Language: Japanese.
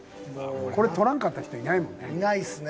これ取らんかった人いないもんね。いないですね。